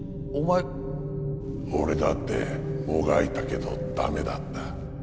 俺だってもがいたけど駄目だった。